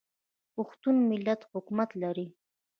پښتو متلونه حکمت لري